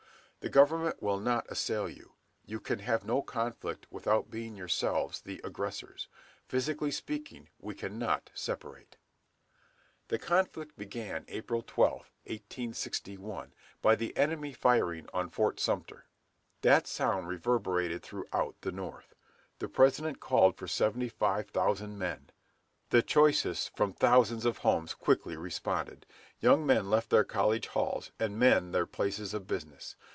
The government will not assail you. You can have no conflict without being yourselves the aggressors.... Physically speaking we cannot separate." The conflict began April 12, 1861, by the enemy firing on Fort Sumter. That sound reverberated throughout the North. The President called for seventy five thousand men. The choicest from thousands of homes quickly responded. Young men left their college halls and men their places of business.